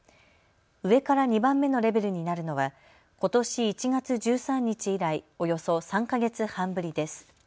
上から２番目のレベルになるのはことし１月１３日以来およそ３か月半ぶりです。